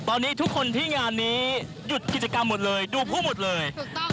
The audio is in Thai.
ตอนนี้ทุกคนที่งานนี้หยุดกิจกรรมหมดเลยดูผู้หมดเลย